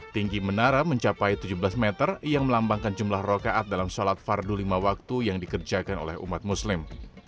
tinggi menara mencapai tujuh belas meter yang melambangkan jumlah rokaat dalam sholat fardu lima waktu yang dikerjakan oleh umat muslim